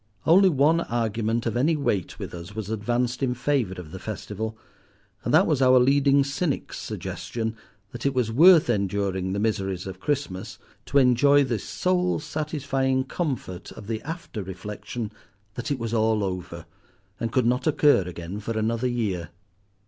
Only one argument of any weight with us was advanced in favour of the festival, and that was our leading cynic's suggestion that it was worth enduring the miseries of Christmas, to enjoy the soul satisfying comfort of the after reflection that it was all over, and could not occur again for another year.